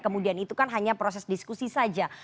kemudian itu kan hanya proses diskusi saja